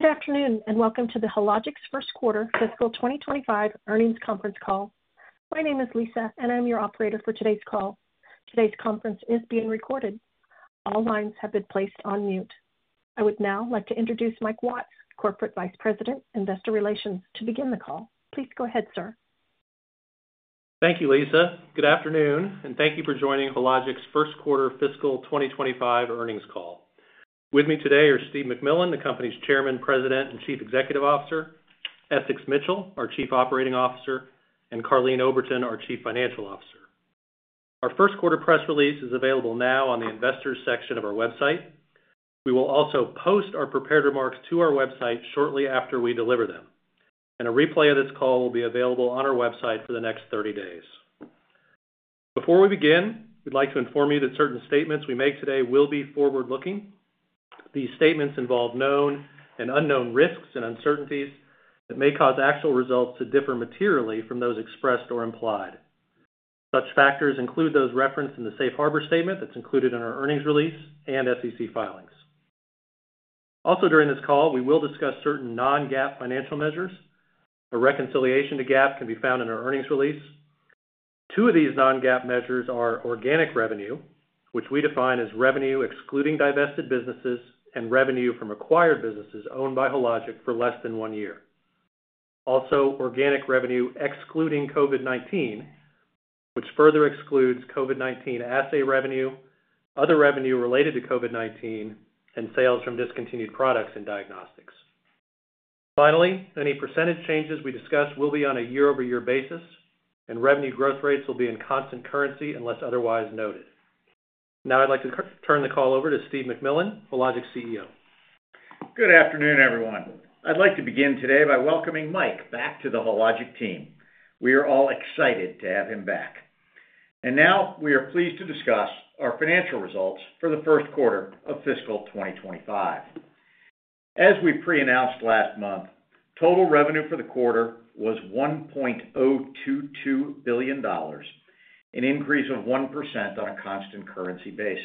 Good afternoon and welcome to the Hologic's First Quarter, Fiscal 2025 Earnings Conference Call. My name is Lisa, and I'm your operator for today's call. Today's conference is being recorded. All lines have been placed on mute. I would now like to introduce Mike Watts, Corporate Vice President, Investor Relations, to begin the call. Please go ahead, sir. Thank you, Lisa. Good afternoon, and thank you for joining Hologic's First Quarter Fiscal 2025 Earnings Call. With me today are Steve MacMillan, the company's Chairman, President, and Chief Executive Officer, Essex Mitchell, our Chief Operating Officer, and Karleen Oberton, our Chief Financial Officer. Our first quarter press release is available now on the Investors section of our website. We will also post our prepared remarks to our website shortly after we deliver them, and a replay of this call will be available on our website for the next 30 days. Before we begin, we'd like to inform you that certain statements we make today will be forward-looking. These statements involve known and unknown risks and uncertainties that may cause actual results to differ materially from those expressed or implied. Such factors include those referenced in the Safe Harbor Statement that's included in our earnings release and SEC filings. Also, during this call, we will discuss certain non-GAAP financial measures. A reconciliation to GAAP can be found in our earnings release. Two of these non-GAAP measures are organic revenue, which we define as revenue excluding divested businesses, and revenue from acquired businesses owned by Hologic for less than one year. Also, organic revenue excluding COVID-19, which further excludes COVID-19 assay revenue, other revenue related to COVID-19, and sales from discontinued products and diagnostics. Finally, any percentage changes we discuss will be on a year-over-year basis, and revenue growth rates will be in constant currency unless otherwise noted. Now, I'd like to turn the call over to Steve MacMillan, Hologic CEO. Good afternoon, everyone. I'd like to begin today by welcoming Mike back to the Hologic team. We are all excited to have him back. And now, we are pleased to discuss our financial results for the first quarter of fiscal 2025. As we pre-announced last month, total revenue for the quarter was $1.022 billion, an increase of 1% on a constant currency basis.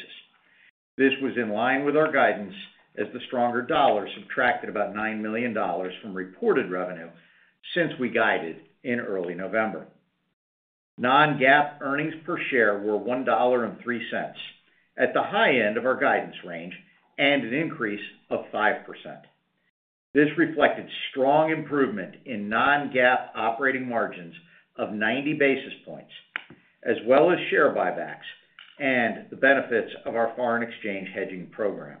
This was in line with our guidance as the stronger dollar subtracted about $9 million from reported revenue since we guided in early November. Non-GAAP earnings per share were $1.03, at the high end of our guidance range and an increase of 5%. This reflected strong improvement in non-GAAP operating margins of 90 basis points, as well as share buybacks and the benefits of our foreign exchange hedging program.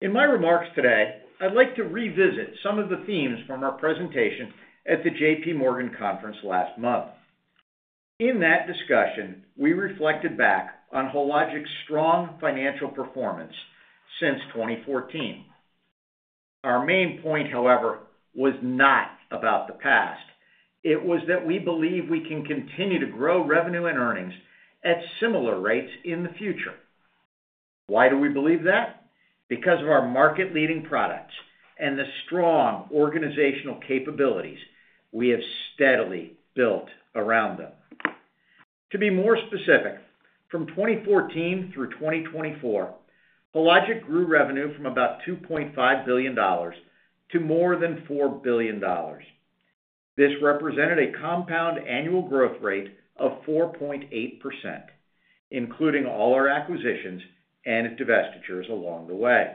In my remarks today, I'd like to revisit some of the themes from our presentation at the J.P. Morgan Conference last month. In that discussion, we reflected back on Hologic's strong financial performance since 2014. Our main point, however, was not about the past. It was that we believe we can continue to grow revenue and earnings at similar rates in the future. Why do we believe that? Because of our market-leading products and the strong organizational capabilities we have steadily built around them. To be more specific, from 2014 through 2024, Hologic grew revenue from about $2.5 billion - more than $4 billion. This represented a compound annual growth rate of 4.8%, including all our acquisitions and divestitures along the way.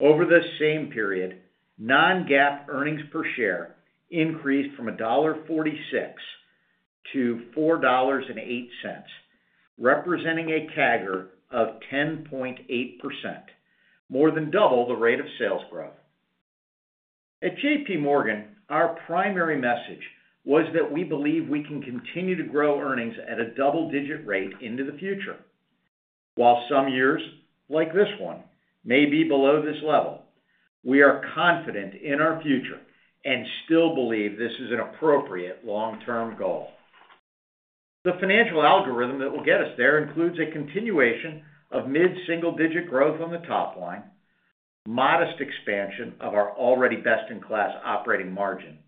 Over the same period, non-GAAP earnings per share increased from $1.46-$4.08, representing a CAGR of 10.8%, more than double the rate of sales growth. At J.P. Morgan, our primary message was that we believe we can continue to grow earnings at a double-digit rate into the future. While some years, like this one, may be below this level, we are confident in our future and still believe this is an appropriate long-term goal. The financial algorithm that will get us there includes a continuation of mid-single-digit growth on the top line, modest expansion of our already best-in-class operating margin,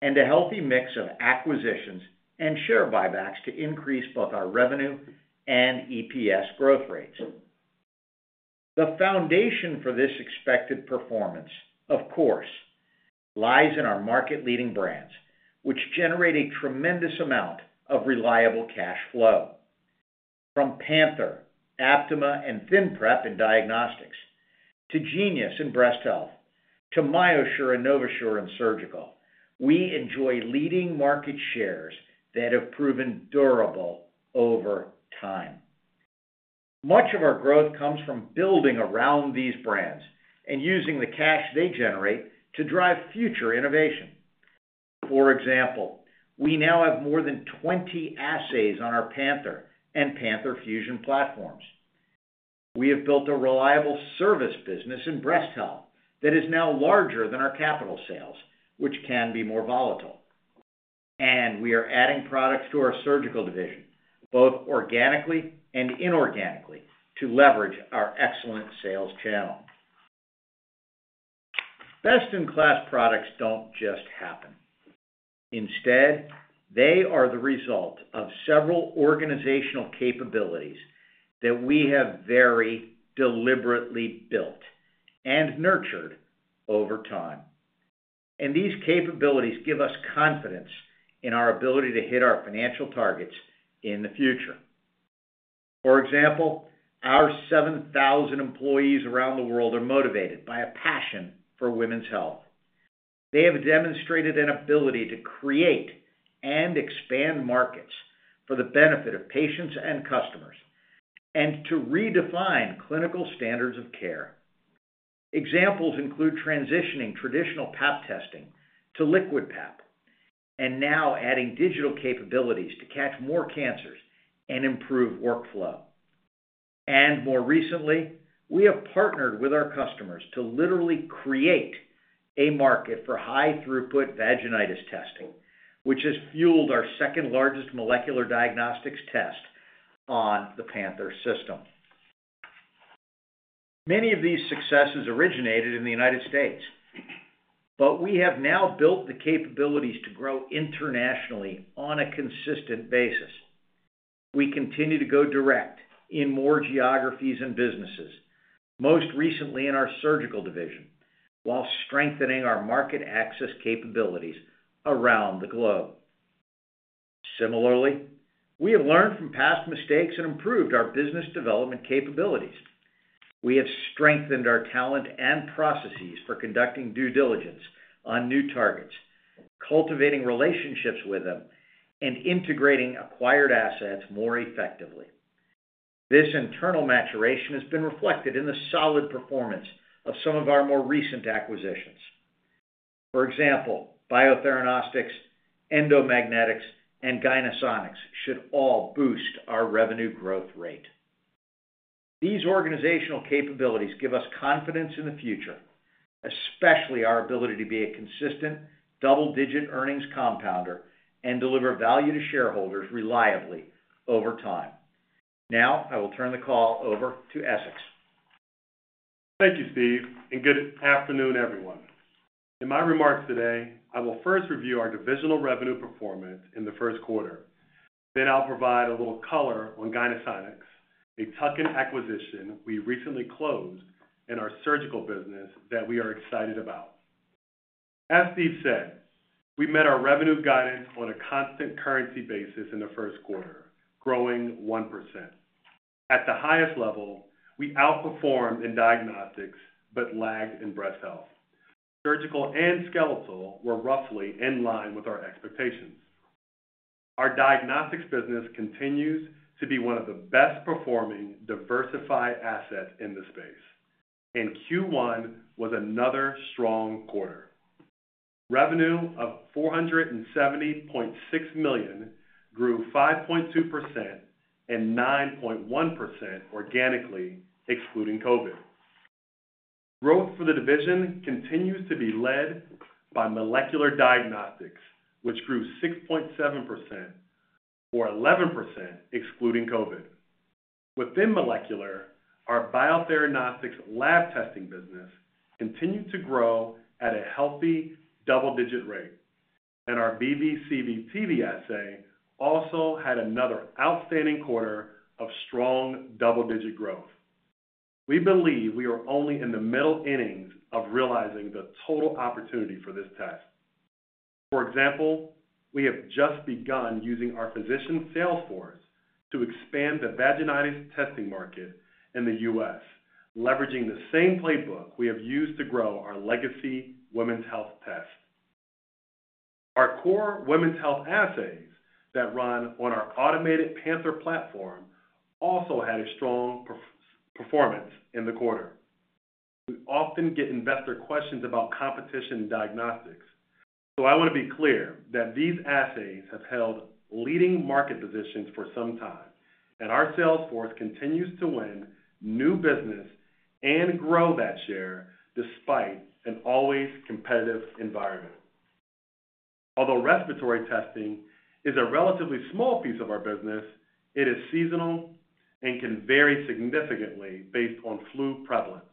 and a healthy mix of acquisitions and share buybacks to increase both our revenue and EPS growth rates. The foundation for this expected performance, of course, lies in our market-leading brands, which generate a tremendous amount of reliable cash flow. From Panther, Aptima, and ThinPrep in diagnostics, to Genius in Breast Health, to MyoSure and NovaSure in surgical, we enjoy leading market shares that have proven durable over time. Much of our growth comes from building around these brands and using the cash they generate to drive future innovation. For example, we now have more than 20 assays on our Panther and Panther Fusion platforms. We have built a reliable service business in breast health that is now larger than our capital sales, which can be more volatile. And we are adding products to our surgical division, both organically and inorganically, to leverage our excellent sales channel. Best-in-class products don't just happen. Instead, they are the result of several organizational capabilities that we have very deliberately built and nurtured over time. And these capabilities give us confidence in our ability to hit our financial targets in the future. For example, our 7,000 employees around the world are motivated by a passion for women's health. They have demonstrated an ability to create and expand markets for the benefit of patients and customers and to redefine clinical standards of care. Examples include transitioning traditional Pap testing to liquid Pap and now adding digital capabilities to catch more cancers and improve workflow, and more recently, we have partnered with our customers to literally create a market for high-throughput vaginitis testing, which has fueled our second-largest molecular diagnostics test on the Panther system. Many of these successes originated in the United States, but we have now built the capabilities to grow internationally on a consistent basis. We continue to go direct in more geographies and businesses, most recently in our surgical division, while strengthening our market access capabilities around the globe. Similarly, we have learned from past mistakes and improved our business development capabilities. We have strengthened our talent and processes for conducting due diligence on new targets, cultivating relationships with them, and integrating acquired assets more effectively. This internal maturation has been reflected in the solid performance of some of our more recent acquisitions. For example, Biotheranostics, Endomagnetics, and Gynesonics should all boost our revenue growth rate. These organizational capabilities give us confidence in the future, especially our ability to be a consistent double-digit earnings compounder and deliver value to shareholders reliably over time. Now, I will turn the call over to Essex. Thank you, Steve, and good afternoon, everyone. In my remarks today, I will first review our divisional revenue performance in the first quarter. Then I'll provide a little color on Gynesonics, a tuck-in acquisition we recently closed in our surgical business that we are excited about. As Steve said, we met our revenue guidance on a constant currency basis in the first quarter, growing 1%. At the highest level, we outperformed in diagnostics but lagged in breast health. Surgical and Skeletal were roughly in line with our expectations. Our diagnostics business continues to be one of the best-performing diversified assets in the space, and Q1 was another strong quarter. Revenue of $470.6 million grew 5.2% and 9.1% organically, excluding COVID. Growth for the division continues to be led by molecular diagnostics, which grew 6.7% or 11%, excluding COVID. Within molecular, our Biotheranostics lab testing business continued to grow at a healthy double-digit rate, and our BV/CV/TV assay also had another outstanding quarter of strong double-digit growth. We believe we are only in the middle innings of realizing the total opportunity for this test. For example, we have just begun using our physician sales force to expand the vaginitis testing market in the U.S., leveraging the same playbook we have used to grow our legacy women's health test. Our core women's health assays that run on our automated Panther platform also had a strong performance in the quarter. We often get investor questions about competition in diagnostics, so I want to be clear that these assays have held leading market positions for some time, and our sales force continues to win new business and grow that share despite an always competitive environment. Although respiratory testing is a relatively small piece of our business, it is seasonal and can vary significantly based on flu prevalence.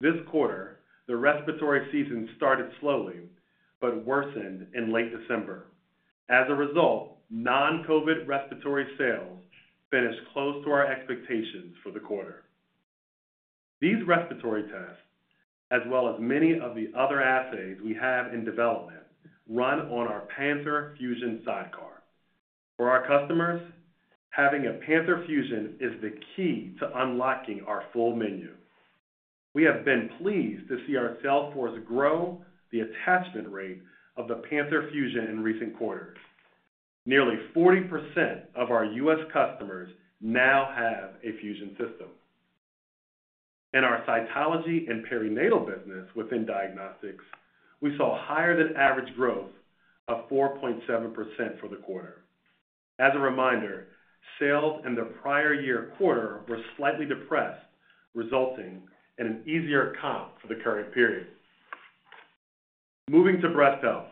This quarter, the respiratory season started slowly but worsened in late December. As a result, non-COVID respiratory sales finished close to our expectations for the quarter. These respiratory tests, as well as many of the other assays we have in development, run on our Panther Fusion sidecar. For our customers, having a Panther Fusion is the key to unlocking our full menu. We have been pleased to see our sales force grow the attachment rate of the Panther Fusion in recent quarters. Nearly 40% of our U.S. customers now have a Fusion system. In our cytology and perinatal business within diagnostics, we saw higher-than-average growth of 4.7% for the quarter. As a reminder, sales in the prior year quarter were slightly depressed, resulting in an easier comp for the current period. Moving to breast health.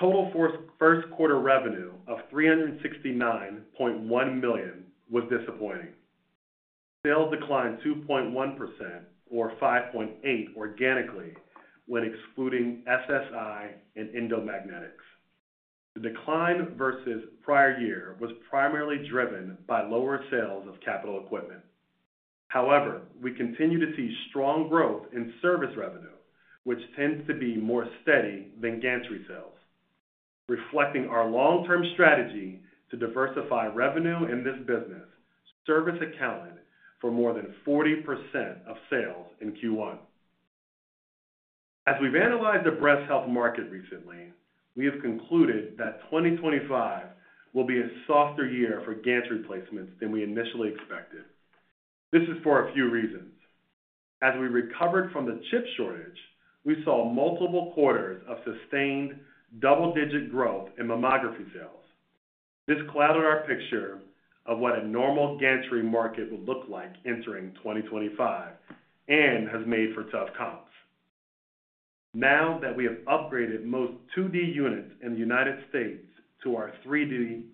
Total first quarter revenue of $369.1 million was disappointing. Sales declined 2.1% or 5.8% organically when excluding SSI and Endomagnetics. The decline versus prior year was primarily driven by lower sales of capital equipment. However, we continue to see strong growth in service revenue, which tends to be more steady than gantry sales, reflecting our long-term strategy to diversify revenue in this business. Service accounted for more than 40% of sales in Q1. As we've analyzed the breast health market recently, we have concluded that 2025 will be a softer year for gantry placements than we initially expected. This is for a few reasons. As we recovered from the chip shortage, we saw multiple quarters of sustained double-digit growth in mammography sales. This clouded our picture of what a normal gantry market would look like entering 2025 and has made for tough comps. Now that we have upgraded most 2D units in the United States to our 3D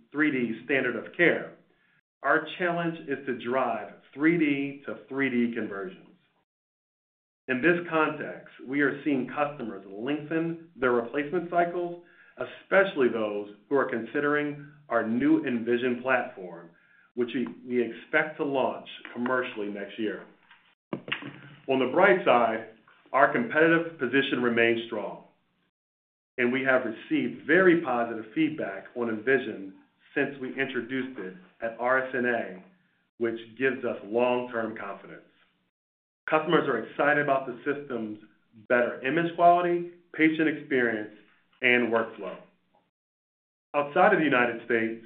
standard of care, our challenge is to drive 3D to 3D conversions. In this context, we are seeing customers lengthen their replacement cycles, especially those who are considering our new Envision platform, which we expect to launch commercially next year. On the bright side, our competitive position remains strong, and we have received very positive feedback on Envision since we introduced it at RSNA, which gives us long-term confidence. Customers are excited about the system's better image quality, patient experience, and workflow. Outside of the United States,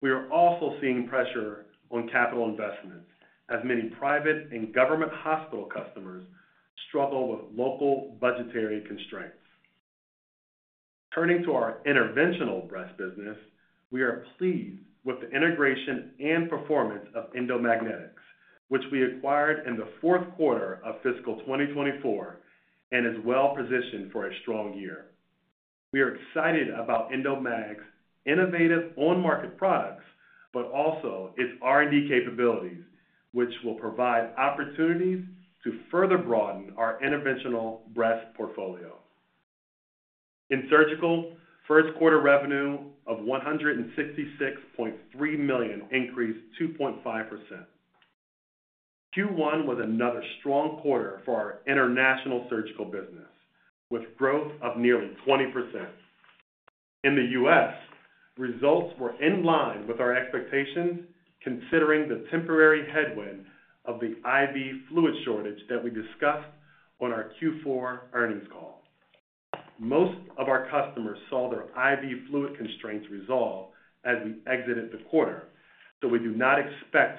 we are also seeing pressure on capital investments as many private and government hospital customers struggle with local budgetary constraints. Turning to our interventional breast business, we are pleased with the integration and performance of Endomagnetics, which we acquired in the fourth quarter of Fiscal 2024 and is well-positioned for a strong year. We are excited about Endomag's innovative on-market products, but also its R&D capabilities, which will provide opportunities to further broaden our interventional breast portfolio. In surgical, first quarter revenue of $166.3 million increased 2.5%. Q1 was another strong quarter for our international surgical business, with growth of nearly 20%. In the U.S., results were in line with our expectations, considering the temporary headwind of the IV fluid shortage that we discussed on our Q4 earnings call. Most of our customers saw their IV fluid constraints resolve as we exited the quarter, so we do not expect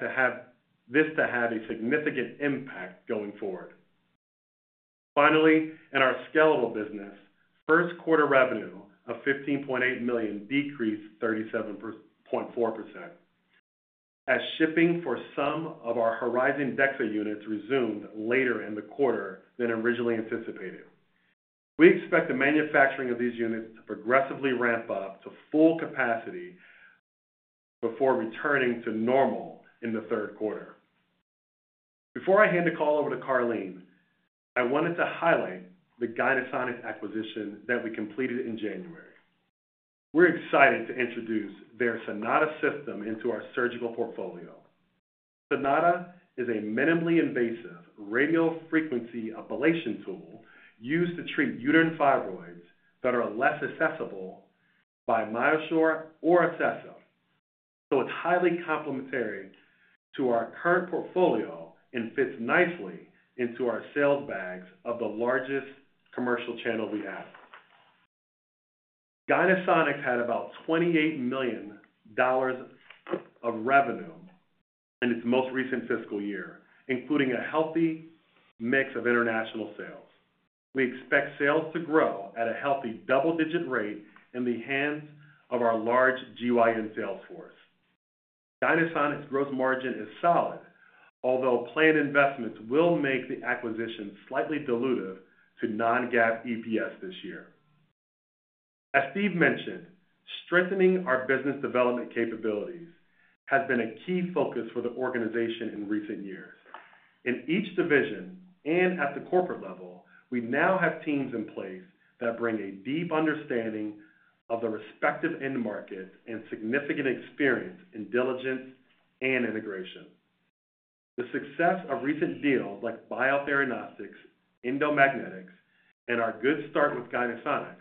this to have a significant impact going forward. Finally, in our skeletal business, first quarter revenue of $15.8 million decreased 37.4% as shipping for some of our Horizon DXA units resumed later in the quarter than originally anticipated. We expect the manufacturing of these units to progressively ramp up to full capacity before returning to normal in the third quarter. Before I hand the call over to Karleen, I wanted to highlight the Gynesonics acquisition that we completed in January. We're excited to introduce their Sonata system into our surgical portfolio. Sonata is a minimally invasive radiofrequency ablation tool used to treat uterine fibroids that are less accessible by MyoSure or Acessa, so it's highly complementary to our current portfolio and fits nicely into our sales bags of the largest commercial channel we have. Gynesonics had about $28 million of revenue in its most recent fiscal year, including a healthy mix of international sales. We expect sales to grow at a healthy double-digit rate in the hands of our large GYN sales force. Gynesonics' gross margin is solid, although planned investments will make the acquisition slightly dilutive to non-GAAP EPS this year. As Steve mentioned, strengthening our business development capabilities has been a key focus for the organization in recent years. In each division and at the corporate level, we now have teams in place that bring a deep understanding of the respective end markets and significant experience in diligence and integration. The success of recent deals like Biotheranostics, Endomagnetics, and our good start with Gynesonics give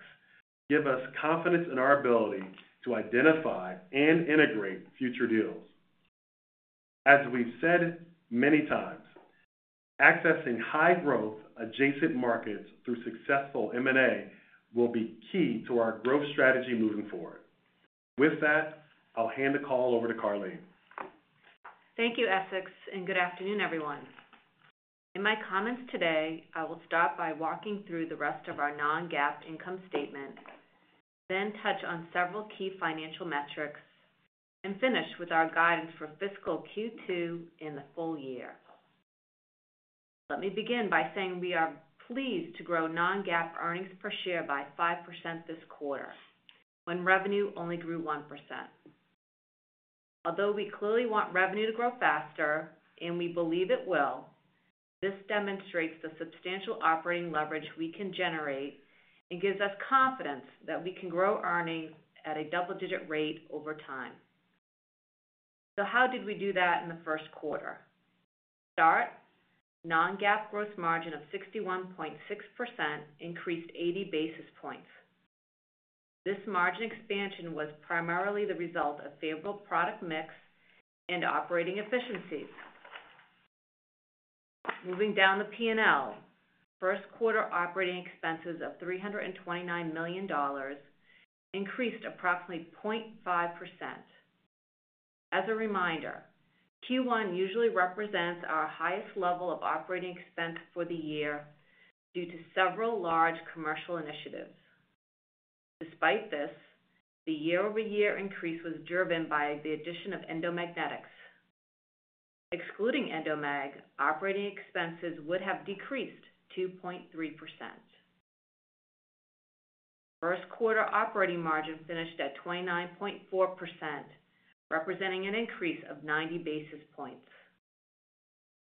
us confidence in our ability to identify and integrate future deals. As we've said many times, accessing high-growth adjacent markets through successful M&A will be key to our growth strategy moving forward. With that, I'll hand the call over to Karleen. Thank you, Essex, and good afternoon, everyone. In my comments today, I will start by walking through the rest of our non-GAAP income statement, then touch on several key financial metrics, and finish with our guidance for fiscal Q2 in the full year. Let me begin by saying we are pleased to grow non-GAAP earnings per share by 5% this quarter, when revenue only grew 1%. Although we clearly want revenue to grow faster, and we believe it will, this demonstrates the substantial operating leverage we can generate and gives us confidence that we can grow earnings at a double-digit rate over time. So how did we do that in the first quarter? To start, non-GAAP gross margin of 61.6% increased 80 basis points. This margin expansion was primarily the result of favorable product mix and operating efficiencies. Moving down the P&L, first quarter operating expenses of $329 million increased approximately 0.5%. As a reminder, Q1 usually represents our highest level of operating expense for the year due to several large commercial initiatives. Despite this, the year-over-year increase was driven by the addition of Endomagnetics. Excluding Endomag, operating expenses would have decreased 2.3%. First quarter operating margin finished at 29.4%, representing an increase of 90 basis points.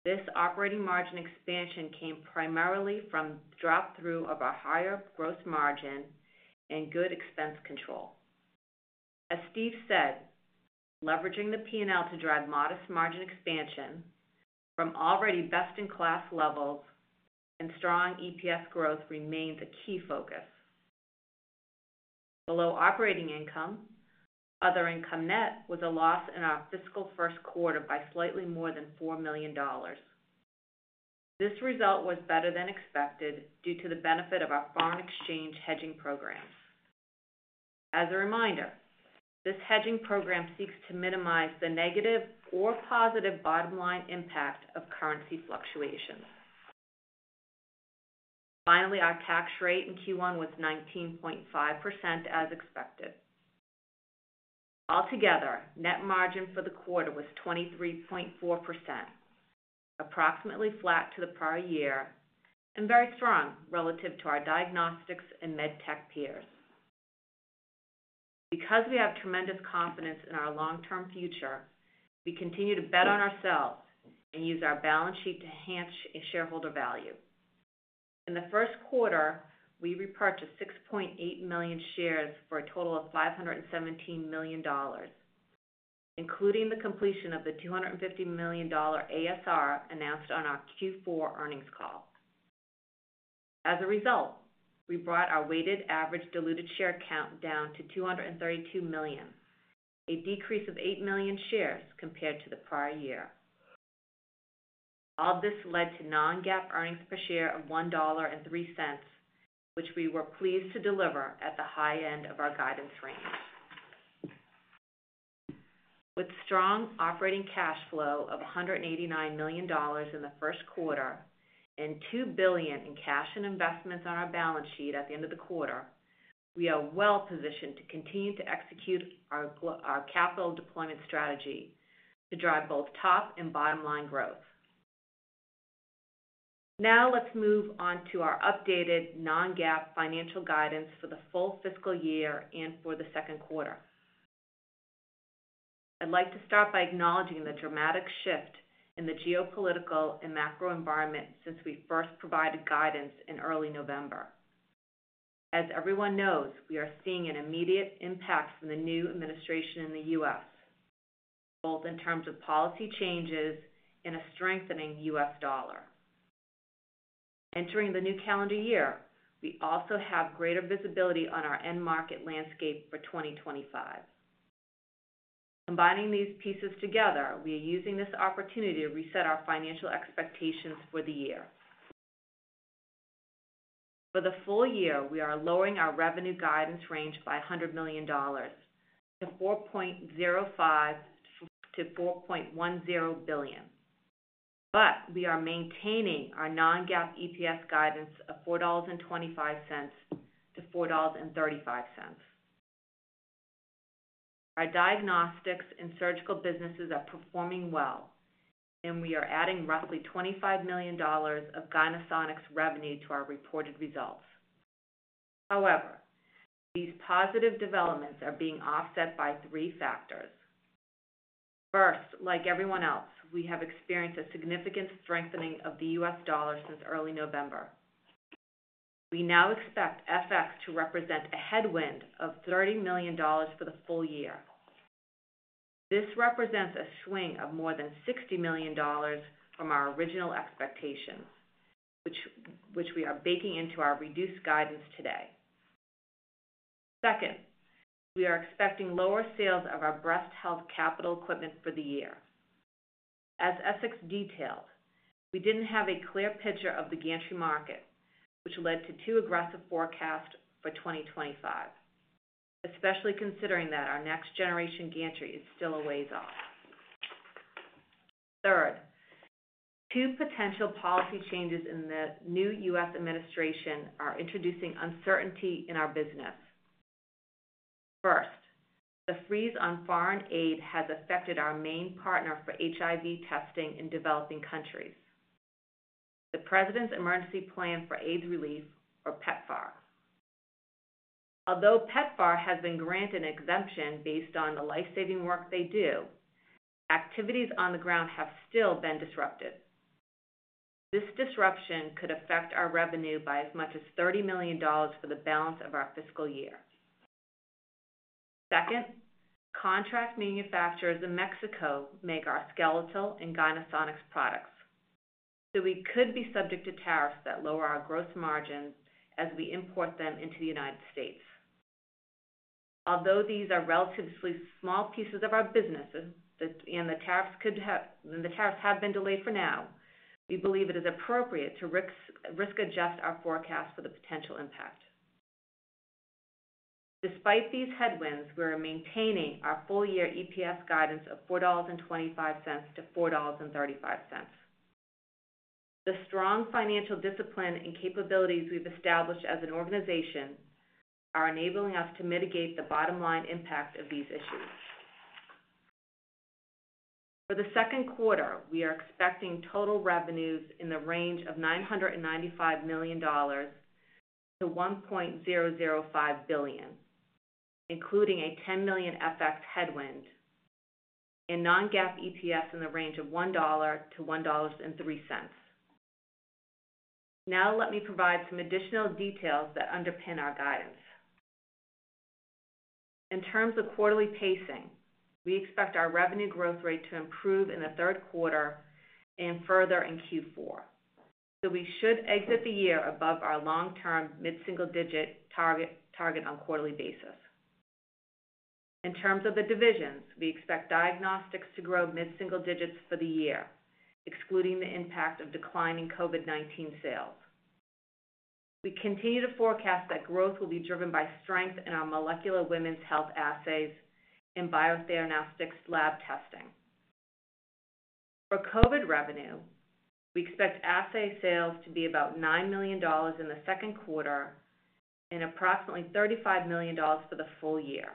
This operating margin expansion came primarily from the drop-through of our higher gross margin and good expense control. As Steve said, leveraging the P&L to drive modest margin expansion from already best-in-class levels and strong EPS growth remains a key focus. Below operating income, other income net was a loss in our fiscal first quarter by slightly more than $4 million. This result was better than expected due to the benefit of our foreign exchange hedging programs. As a reminder, this hedging program seeks to minimize the negative or positive bottom-line impact of currency fluctuations. Finally, our tax rate in Q1 was 19.5%, as expected. Altogether, net margin for the quarter was 23.4%, approximately flat to the prior year, and very strong relative to our diagnostics and MedTech peers. Because we have tremendous confidence in our long-term future, we continue to bet on ourselves and use our balance sheet to enhance shareholder value. In the first quarter, we repurchased 6.8 million shares for a total of $517 million, including the completion of the $250 million ASR announced on our Q4 earnings call. As a result, we brought our weighted average diluted share count down to 232 million, a decrease of eight million shares compared to the prior year. All this led to non-GAAP earnings per share of $1.03, which we were pleased to deliver at the high end of our guidance range. With strong operating cash flow of $189 million in the first quarter and $2 billion in cash and investments on our balance sheet at the end of the quarter, we are well-positioned to continue to execute our capital deployment strategy to drive both top and bottom-line growth. Now let's move on to our updated non-GAAP financial guidance for the full fiscal year and for the second quarter. I'd like to start by acknowledging the dramatic shift in the geopolitical and macro environment since we first provided guidance in early November. As everyone knows, we are seeing an immediate impact from the new administration in the U.S., both in terms of policy changes and a strengthening U.S. dollar. Entering the new calendar year, we also have greater visibility on our end market landscape for 2025. Combining these pieces together, we are using this opportunity to reset our financial expectations for the year. For the full year, we are lowering our revenue guidance range by $100 million - $4.05 billion - $4.10 billion, but we are maintaining our non-GAAP EPS guidance of $4.25-$4.35. Our diagnostics and surgical businesses are performing well, and we are adding roughly $25 million of Gynesonics revenue to our reported results. However, these positive developments are being offset by three factors. First, like everyone else, we have experienced a significant strengthening of the U.S. dollar since early November. We now expect FX to represent a headwind of $30 million for the full year. This represents a swing of more than $60 million from our original expectations, which we are baking into our reduced guidance today. Second, we are expecting lower sales of our breast health capital equipment for the year. As Essex detailed, we didn't have a clear picture of the gantry market, which led to too aggressive forecasts for 2025, especially considering that our next-generation gantry is still a ways off. Third, two potential policy changes in the new U.S. administration are introducing uncertainty in our business. First, the freeze on foreign aid has affected our main partner for HIV testing in developing countries, the President's Emergency Plan for AIDS Relief, or PEPFAR. Although PEPFAR has been granted an exemption based on the lifesaving work they do, activities on the ground have still been disrupted. This disruption could affect our revenue by as much as $30 million for the balance of our fiscal year. Second, contract manufacturers in Mexico make our skeletal and Gynesonics products, so we could be subject to tariffs that lower our gross margins as we import them into the United States. Although these are relatively small pieces of our business and the tariffs have been delayed for now, we believe it is appropriate to risk-adjust our forecast for the potential impact. Despite these headwinds, we are maintaining our full-year EPS guidance of $4.25-$4.35. The strong financial discipline and capabilities we've established as an organization are enabling us to mitigate the bottom-line impact of these issues. For the second quarter, we are expecting total revenues in the range of $995 million - $1.005 billion, including a $10 million FX headwind and non-GAAP EPS in the range of $1.00-$1.03. Now let me provide some additional details that underpin our guidance. In terms of quarterly pacing, we expect our revenue growth rate to improve in the third quarter and further in Q4, so we should exit the year above our long-term mid-single-digit target on a quarterly basis. In terms of the divisions, we expect diagnostics to grow mid-single digits for the year, excluding the impact of declining COVID-19 sales. We continue to forecast that growth will be driven by strength in our molecular women's health assays and Biotheranostics lab testing. For COVID revenue, we expect assay sales to be about $9 million in the second quarter and approximately $35 million for the full year.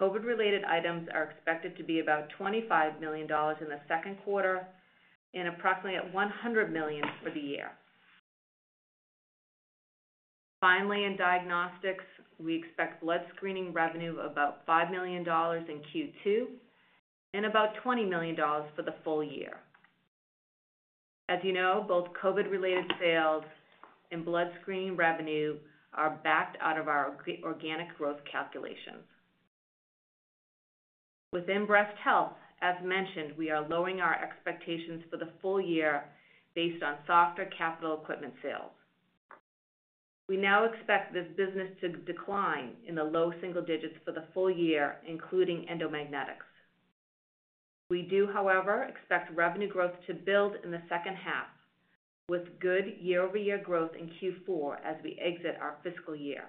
COVID-related items are expected to be about $25 million in the second quarter and approximately $100 million for the year. Finally, in diagnostics, we expect blood screening revenue of about $5 million in Q2 and about $20 million for the full year. As you know, both COVID-related sales and blood screening revenue are backed out of our organic growth calculations. Within breast health, as mentioned, we are lowering our expectations for the full year based on softer capital equipment sales. We now expect this business to decline in the low single digits for the full year, including Endomagnetics. We do, however, expect revenue growth to build in the second half, with good year-over-year growth in Q4 as we exit our fiscal year.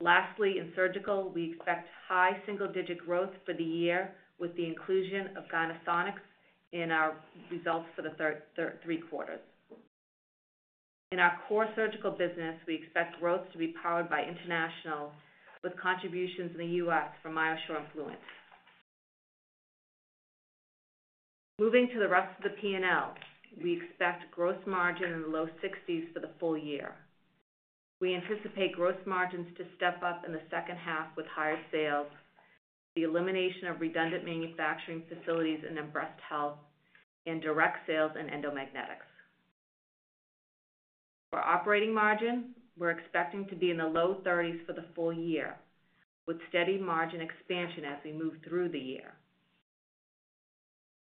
Lastly, in surgical, we expect high single-digit growth for the year with the inclusion of Gynesonics in our results for the three quarters. In our core surgical business, we expect growth to be powered by international, with contributions in the U.S. from MyoSure and Fluent. Moving to the rest of the P&L, we expect gross margin in the low 60s for the full year. We anticipate gross margins to step up in the second half with higher sales, the elimination of redundant manufacturing facilities in breast health, and direct sales in Endomagnetics. For operating margin, we're expecting to be in the low 30s for the full year, with steady margin expansion as we move through the year.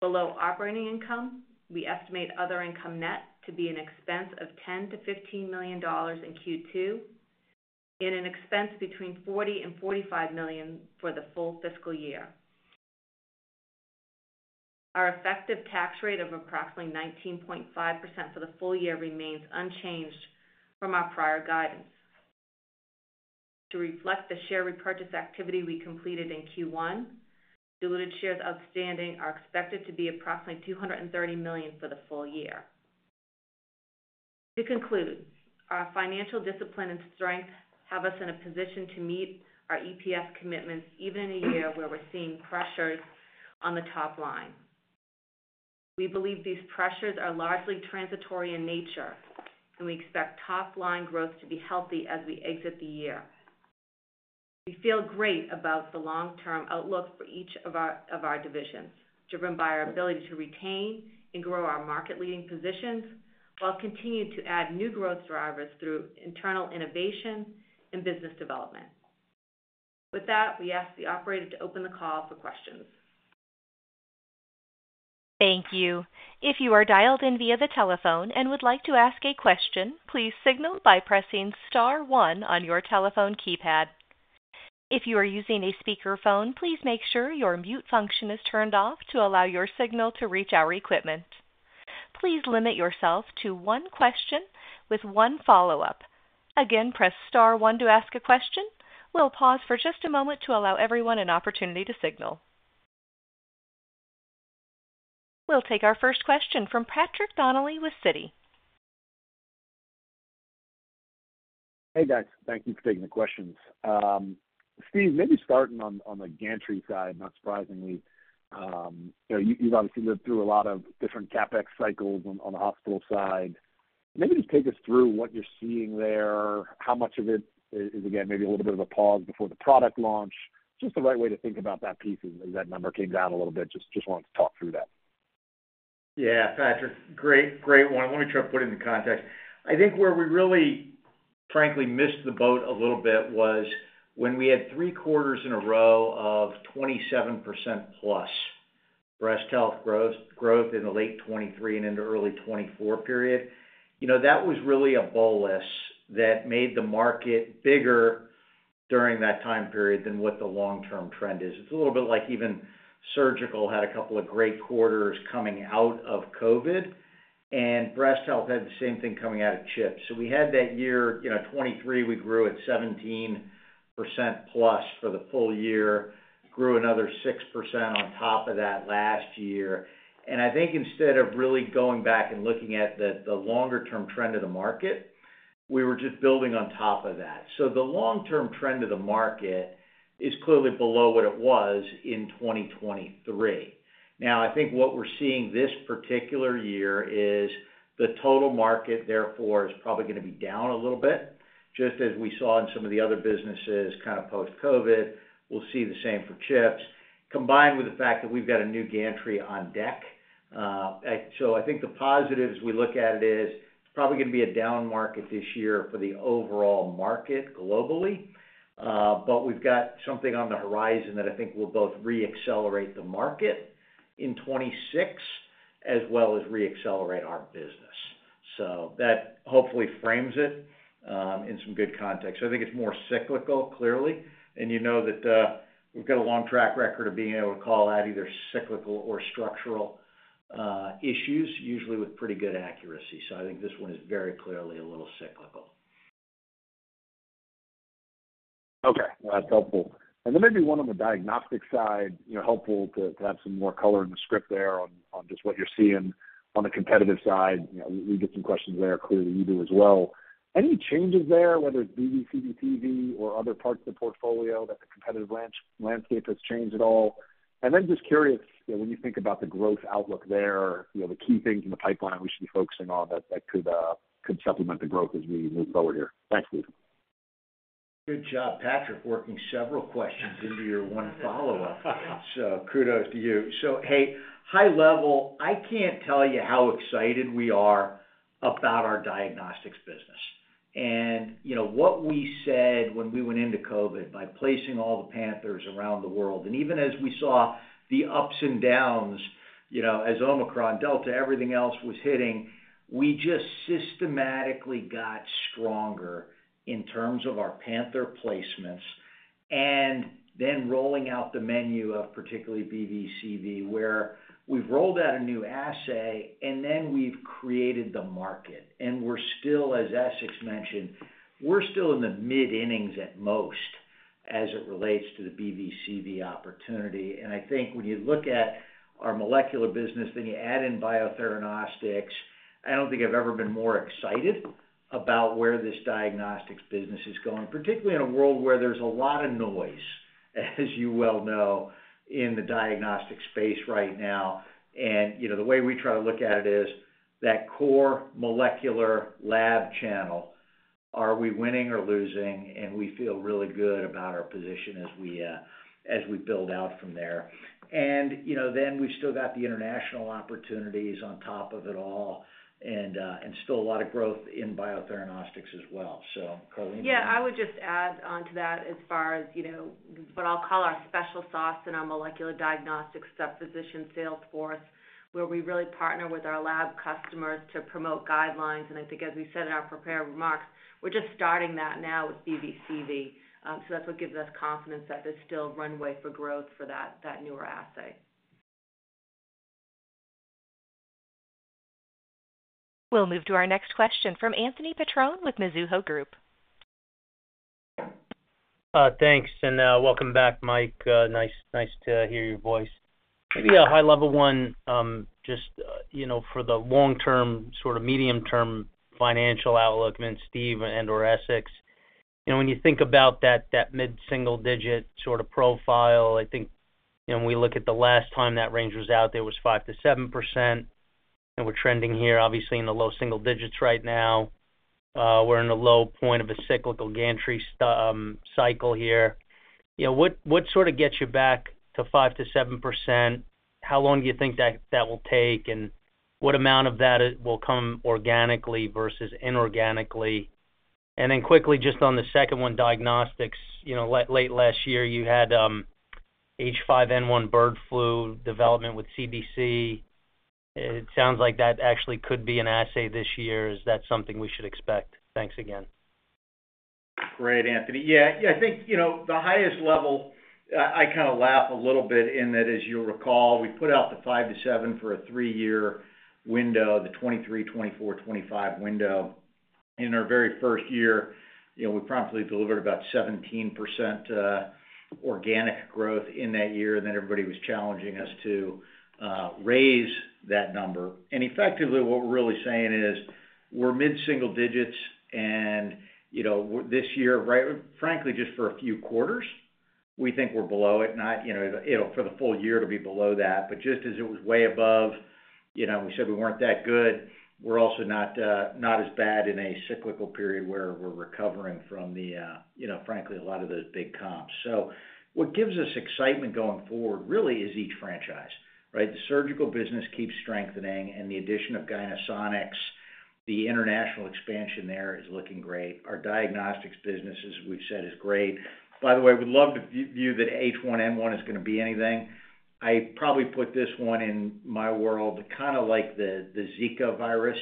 Below operating income, we estimate other income net to be an expense of $10 million - $15 million in Q2 and an expense between $40 million and $45 million for the full fiscal year. Our effective tax rate of approximately 19.5% for the full year remains unchanged from our prior guidance. To reflect the share repurchase activity we completed in Q1, diluted shares outstanding are expected to be approximately 230 million for the full year. To conclude, our financial discipline and strength have us in a position to meet our EPS commitments even in a year where we're seeing pressures on the top line. We believe these pressures are largely transitory in nature, and we expect top-line growth to be healthy as we exit the year. We feel great about the long-term outlook for each of our divisions, driven by our ability to retain and grow our market-leading positions while continuing to add new growth drivers through internal innovation and business development. With that, we ask the operator to open the call for questions. Thank you. If you are dialed in via the telephone and would like to ask a question, please signal by pressing Star one on your telephone keypad. If you are using a speakerphone, please make sure your mute function is turned off to allow your signal to reach our equipment. Please limit yourself to one question with one follow-up. Again, press Star one to ask a question. We'll pause for just a moment to allow everyone an opportunity to signal. We'll take our first question from Patrick Donnelly with Citi. Hey, guys. Thank you for taking the questions. Steve, maybe starting on the gantry side, not surprisingly, you've obviously lived through a lot of different CapEx cycles on the hospital side. Maybe just take us through what you're seeing there, how much of it is, again, maybe a little bit of a pause before the product launch. Just the right way to think about that piece is that number came down a little bit. Just wanted to talk through that. Yeah, Patrick. Great one. Let me try to put it into context. I think where we really, frankly, missed the boat a little bit was when we had three quarters in a row of 27% plus breast health growth in the late 2023 and into early 2024 period. That was really a bolus that made the market bigger during that time period than what the long-term trend is. It's a little bit like even surgical had a couple of great quarters coming out of COVID, and breast health had the same thing coming out of chip. So we had that year 2023, we grew at 17% plus for the full year, grew another 6% on top of that last year. And I think instead of really going back and looking at the longer-term trend of the market, we were just building on top of that. So the long-term trend of the market is clearly below what it was in 2023. Now, I think what we're seeing this particular year is the total market, therefore, is probably going to be down a little bit, just as we saw in some of the other businesses kind of post-COVID. We'll see the same for chip, combined with the fact that we've got a new gantry on deck. So I think the positive, as we look at it, is it's probably going to be a down market this year for the overall market globally, but we've got something on the horizon that I think will both re-accelerate the market in 2026 as well as re-accelerate our business. So that hopefully frames it in some good context. So I think it's more cyclical, clearly. And you know that we've got a long track record of being able to call out either cyclical or structural issues, usually with pretty good accuracy. So I think this one is very clearly a little cyclical. Okay. That's helpful. And then maybe one on the diagnostic side, helpful to have some more color in the script there on just what you're seeing on the competitive side. We get some questions there, clearly you do as well. Any changes there, whether it's BV, CV, TV, or other parts of the portfolio that the competitive landscape has changed at all? And then just curious, when you think about the growth outlook there, the key things in the pipeline we should be focusing on that could supplement the growth as we move forward here. Thanks, Steve. Good job, Patrick, working several questions into your one follow-up. So kudos to you. So, hey, high level, I can't tell you how excited we are about our diagnostics business. And what we said when we went into COVID, by placing all the Panthers around the world, and even as we saw the ups and downs as Omicron, Delta, everything else was hitting, we just systematically got stronger in terms of our Panther placements and then rolling out the menu of particularly BV/CV/TV, where we've rolled out a new assay and then we've created the market. And we're still, as Essex mentioned, we're still in the mid-innings at most as it relates to the BV/CV/TV opportunity. And I think when you look at our molecular business, then you add in Biotheranostics, I don't think I've ever been more excited about where this diagnostics business is going, particularly in a world where there's a lot of noise, as you well know, in the diagnostic space right now. And the way we try to look at it is that core molecular lab channel, are we winning or losing? And we feel really good about our position as we build out from there. And then we've still got the international opportunities on top of it all and still a lot of growth in Biotheranostics as well. So, Karleen. Yeah, I would just add on to that as far as what I'll call our special sauce in our molecular diagnostics sub-physician sales force, where we really partner with our lab customers to promote guidelines. And I think, as we said in our prepared remarks, we're just starting that now with BV/CV/TV. So that's what gives us confidence that there's still runway for growth for that newer assay. We'll move to our next question from Anthony Petrone with Mizuho Group. Thanks. And welcome back, Mike. Nice to hear your voice. Maybe a high-level one just for the long-term, sort of medium-term financial outlook against Steve and/or Essex. When you think about that mid-single-digit sort of profile, I think when we look at the last time that range was out, it was 5%-7%. And we're trending here, obviously, in the low single digits right now. We're in a low point of a cyclical gantry cycle here. What sort of gets you back to 5%-7%? How long do you think that will take? And what amount of that will come organically versus inorganically? And then quickly, just on the second one, diagnostics, late last year, you had H5N1 bird flu development with CDC. It sounds like that actually could be an assay this year. Is that something we should expect? Thanks again. Great, Anthony. Yeah, I think the highest level, I kind of laugh a little bit in that, as you'll recall, we put out the 5%-7% for a three-year window, the 2023, 2024, 2025 window. In our very first year, we promptly delivered about 17% organic growth in that year, and then everybody was challenging us to raise that number. And effectively, what we're really saying is we're mid-single digits, and this year, frankly, just for a few quarters, we think we're below it, not for the full year to be below that. But just as it was way above, we said we weren't that good. We're also not as bad in a cyclical period where we're recovering from the, frankly, a lot of those big comps. So what gives us excitement going forward, really, is each franchise, right? The surgical business keeps strengthening, and the addition of Gynesonics, the international expansion there is looking great. Our diagnostics business, as we've said, is great. By the way, we'd love to view that H1N1 is going to be anything. I probably put this one in my world, kind of like the Zika virus.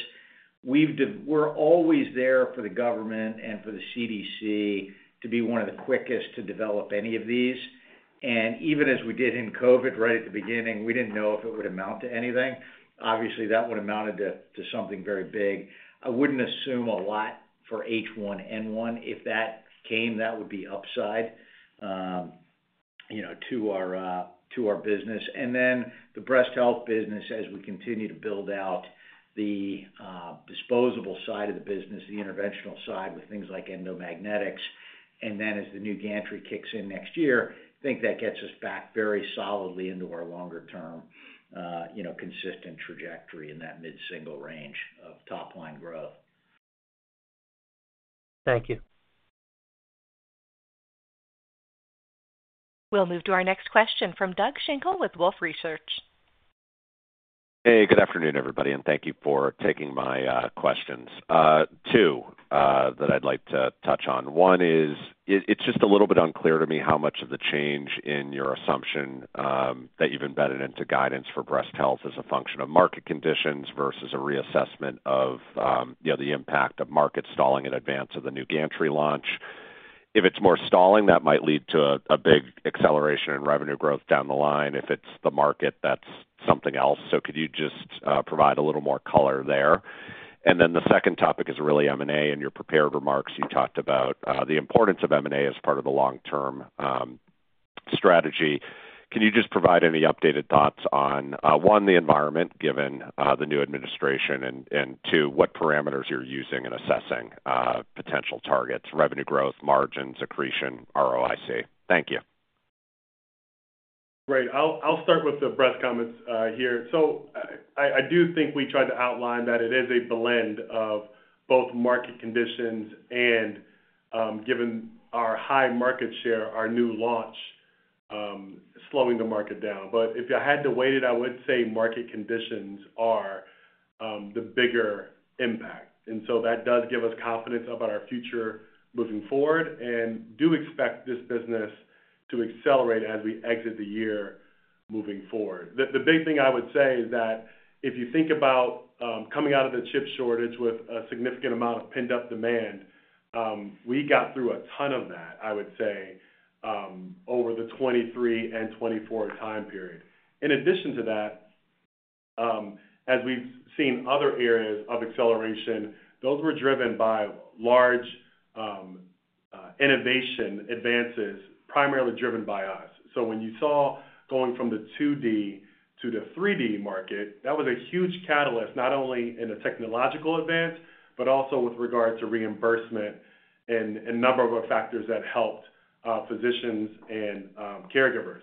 We're always there for the government and for the CDC to be one of the quickest to develop any of these. And even as we did in COVID right at the beginning, we didn't know if it would amount to anything. Obviously, that would have amounted to something very big. I wouldn't assume a lot for H1N1. If that came, that would be upside to our business. And then the breast health business, as we continue to build out the disposable side of the business, the interventional side with things like Endomagnetics, and then as the new gantry kicks in next year, I think that gets us back very solidly into our longer-term consistent trajectory in that mid-single range of top-line growth. Thank you. We'll move to our next question from Doug Schenkel with Wolfe Research. Hey, good afternoon, everybody, and thank you for taking my questions. Two that I'd like to touch on. One is it's just a little bit unclear to me how much of the change in your assumption that you've embedded into guidance for breast health is a function of market conditions versus a reassessment of the impact of market stalling in advance of the new gantry launch. If it's more stalling, that might lead to a big acceleration in revenue growth down the line. If it's the market, that's something else. So could you just provide a little more color there? And then the second topic is really M&A and your prepared remarks. You talked about the importance of M&A as part of the long-term strategy. Can you just provide any updated thoughts on, one, the environment given the new administration, and two, what parameters you're using in assessing potential targets, revenue growth, margins, accretion, ROIC? Thank you. Great. I'll start with the breast comments here. So I do think we tried to outline that it is a blend of both market conditions and, given our high market share, our new launch slowing the market down. But if I had to weigh it, I would say market conditions are the bigger impact. And so that does give us confidence about our future moving forward and we do expect this business to accelerate as we exit the year moving forward. The big thing I would say is that if you think about coming out of the chip shortage with a significant amount of pent-up demand, we got through a ton of that, I would say, over the 2023 and 2024 time period. In addition to that, as we've seen other areas of acceleration, those were driven by large innovation advances, primarily driven by us. So when you saw going from the 2D to the 3D market, that was a huge catalyst, not only in a technological advance, but also with regard to reimbursement and a number of factors that helped physicians and caregivers.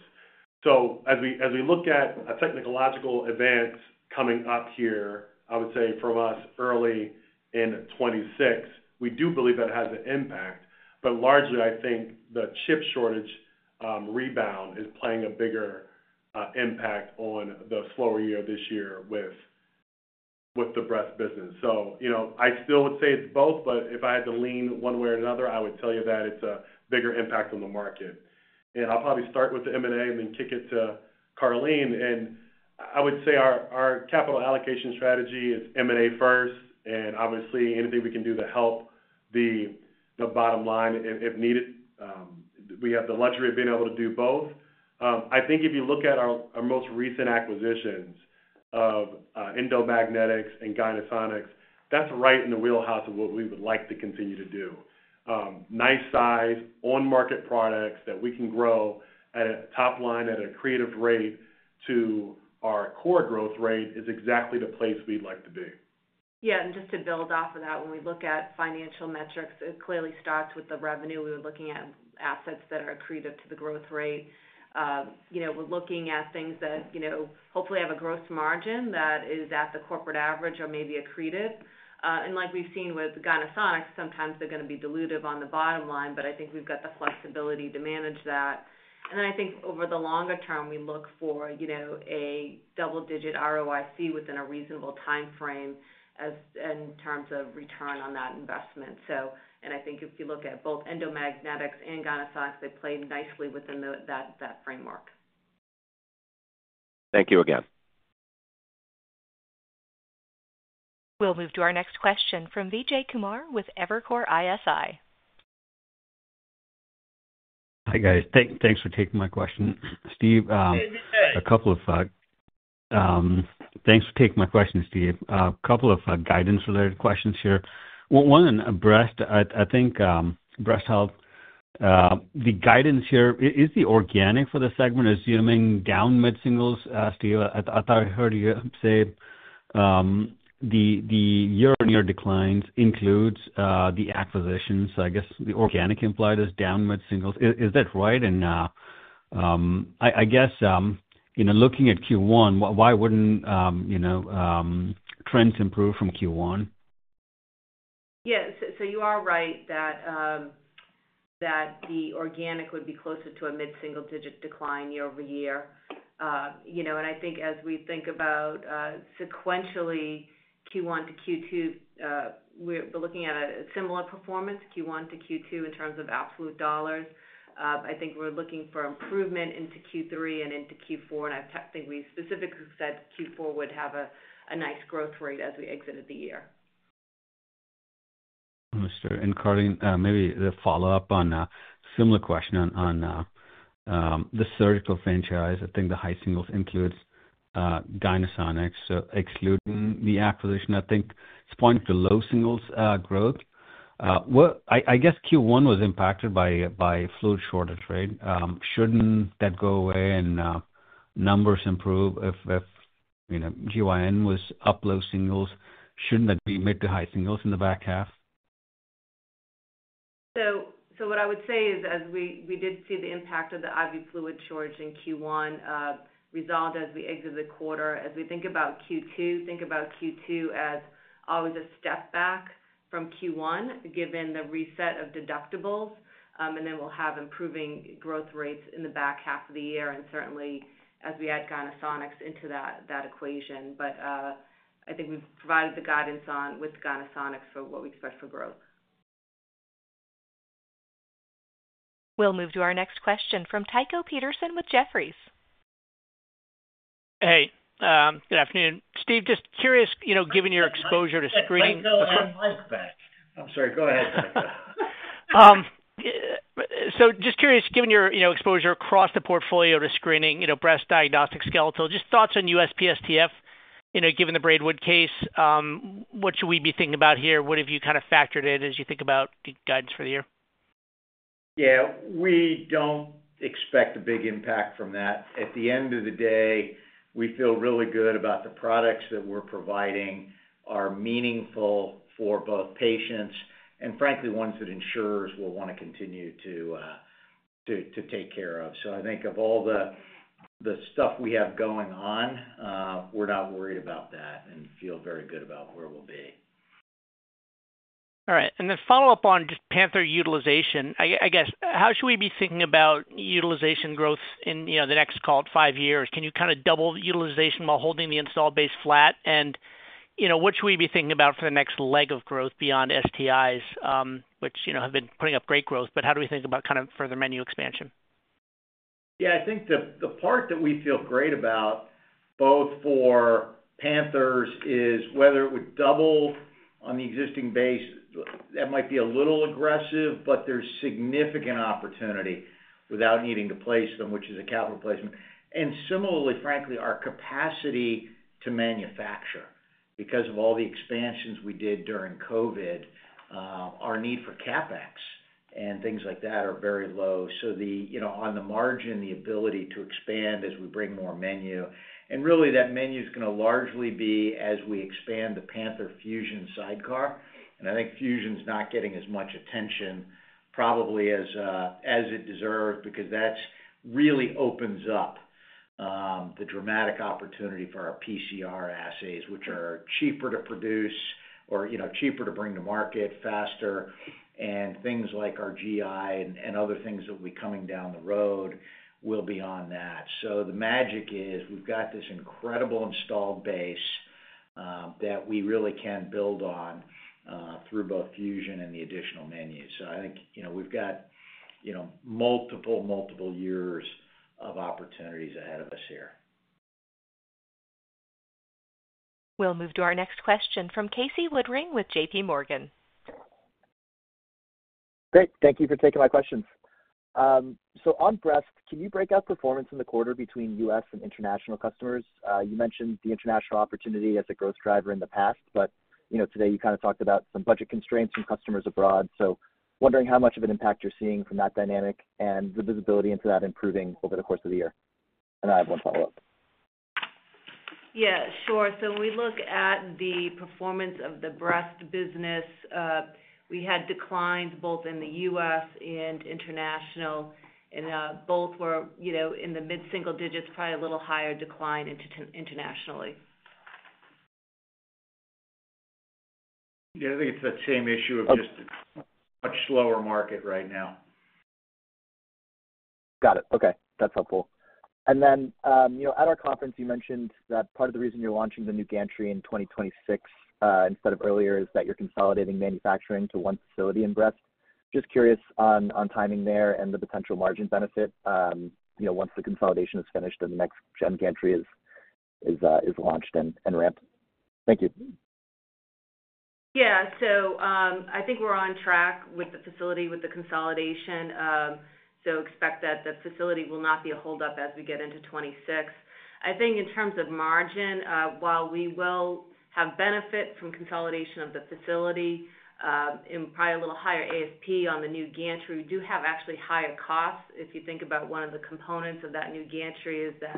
So as we look at a technological advance coming up here, I would say for us early in 2026, we do believe that it has an impact. But largely, I think the chip shortage rebound is playing a bigger impact on the slower year this year with the breast business. So I still would say it's both, but if I had to lean one way or another, I would tell you that it's a bigger impact on the market. And I'll probably start with the M&A and then kick it to Karleen. And I would say our capital allocation strategy is M&A first, and obviously, anything we can do to help the bottom line if needed. We have the luxury of being able to do both. I think if you look at our most recent acquisitions of Endomagnetics and Gynesonics, that's right in the wheelhouse of what we would like to continue to do. Nice size, on-market products that we can grow at a top line at a CAGR to our core growth rate is exactly the place we'd like to be. Yeah. And just to build off of that, when we look at financial metrics, it clearly starts with the revenue. We were looking at assets that are accretive to the growth rate. We're looking at things that hopefully have a gross margin that is at the corporate average or maybe accretive. And like we've seen with Gynesonics, sometimes they're going to be dilutive on the bottom line, but I think we've got the flexibility to manage that. And then I think over the longer term, we look for a double-digit ROIC within a reasonable timeframe in terms of return on that investment. And I think if you look at both Endomagnetics and Gynesonics, they play nicely within that framework. Thank you again. We'll move to our next question from Vijay Kumar with Evercore ISI. Hi, guys. Thanks for taking my question, Steve. A couple of guidance-related questions here. One in breast, I think breast health, the guidance here is the organic for the segment is down mid-singles, Steve. I thought I heard you say the year-on-year declines includes the acquisitions. So I guess the organic implied is down mid-singles. Is that right? And I guess looking at Q1, why wouldn't trends improve from Q1? Yeah. So you are right that the organic would be closer to a mid-single-digit decline year over year. And I think as we think about sequentially Q1 to Q2, we're looking at a similar performance, Q1 to Q2 in terms of absolute dollars. I think we're looking for improvement into Q3 and into Q4. And I think we specifically said Q4 would have a nice growth rate as we exited the year. Understood. And Karleen, maybe the follow-up on a similar question on the surgical franchise. I think the high singles includes Gynesonics, so excluding the acquisition. I think it's pointing to low singles growth. I guess Q1 was impacted by fluid shortage, right? Shouldn't that go away and numbers improve? If GYN was up low singles, shouldn't that be mid to high singles in the back half? So what I would say is, as we did see the impact of the IV fluid shortage in Q1 resolved as we exited the quarter, as we think about Q2, think about Q2 as always a step back from Q1 given the reset of deductibles. And then we'll have improving growth rates in the back half of the year, and certainly as we add Gynesonics into that equation. But I think we've provided the guidance on with Gynesonics for what we expect for growth. We'll move to our next question from Tycho Peterson with Jefferies. Hey. Good afternoon. Steve, just curious, given your exposure to screening. I'm sorry. Go ahead. So just curious, given your exposure across the portfolio to screening, breast diagnostic skeletal, just thoughts on USPSTF given the Braidwood case. What should we be thinking about here? What have you kind of factored in as you think about guidance for the year? Yeah. We don't expect a big impact from that. At the end of the day, we feel really good about the products that we're providing are meaningful for both patients and, frankly, ones that insurers will want to continue to take care of. So I think of all the stuff we have going on, we're not worried about that and feel very good about where we'll be. All right. And then follow-up on just Panther utilization. I guess, how should we be thinking about utilization growth in the next call it five years? Can you kind of double utilization while holding the install base flat? What should we be thinking about for the next leg of growth beyond STIs, which have been putting up great growth, but how do we think about kind of further menu expansion? Yeah. I think the part that we feel great about both for Panther is whether it would double on the existing base. That might be a little aggressive, but there's significant opportunity without needing to place them, which is a capital placement. And similarly, frankly, our capacity to manufacture because of all the expansions we did during COVID, our need for CapEx and things like that are very low. So on the margin, the ability to expand as we bring more menu. And really, that menu is going to largely be as we expand the Panther Fusion sidecar. And I think Fusion's not getting as much attention probably as it deserves because that really opens up the dramatic opportunity for our PCR assays, which are cheaper to produce or cheaper to bring to market faster. And things like our GI and other things that will be coming down the road will be on that. So the magic is we've got this incredible installed base that we really can build on through both Fusion and the additional menu. So I think we've got multiple, multiple years of opportunities ahead of us here. We'll move to our next question from Casey Woodring with JPMorgan. Great. Thank you for taking my questions. So on breast, can you break out performance in the quarter between U.S. and international customers? You mentioned the international opportunity as a growth driver in the past, but today you kind of talked about some budget constraints from customers abroad. So wondering how much of an impact you're seeing from that dynamic and the visibility into that improving over the course of the year. And I have one follow-up. Yeah. Sure. So when we look at the performance of the breast business, we had declines both in the U.S. and international, and both were in the mid-single digits, probably a little higher decline internationally. Yeah. I think it's that same issue of just a much slower market right now. Got it. Okay. That's helpful. And then at our conference, you mentioned that part of the reason you're launching the new gantry in 2026 instead of earlier is that you're consolidating manufacturing to one facility in breast. Just curious on timing there and the potential margin benefit once the consolidation is finished and the next-gen gantry is launched and ramped. Thank you. Yeah. So I think we're on track with the facility with the consolidation. So expect that the facility will not be a holdup as we get into 2026. I think in terms of margin, while we will have benefit from consolidation of the facility and probably a little higher ASP on the new gantry, we do have actually higher costs. If you think about one of the components of that new gantry is the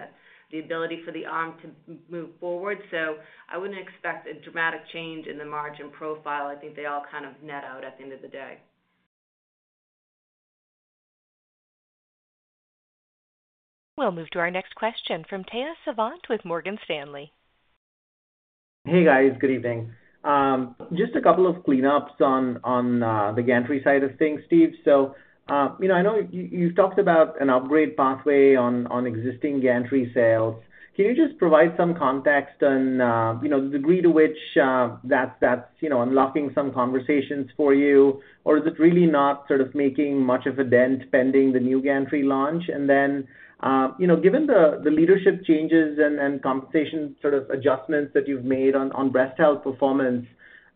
ability for the arm to move forward. So I wouldn't expect a dramatic change in the margin profile. I think they all kind of net out at the end of the day. We'll move to our next question from Tejas Savant with Morgan Stanley. Hey, guys. Good evening. Just a couple of cleanups on the gantry side of things, Steve. So I know you've talked about an upgrade pathway on existing gantry sales. Can you just provide some context on the degree to which that's unlocking some conversations for you, or is it really not sort of making much of a dent pending the new gantry launch? And then given the leadership changes and compensation sort of adjustments that you've made on breast health performance,